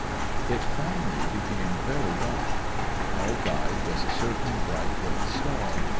It finally became very dark; our guide was a certain bright little star.